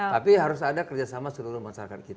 tapi harus ada kerjasama seluruh masyarakat kita